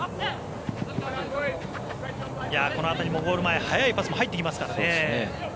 この辺りもゴール前速いパスも入ってきますからね。